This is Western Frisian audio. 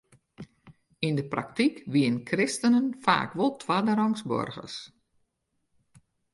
Yn de praktyk wienen kristenen faak wol twadderangs boargers.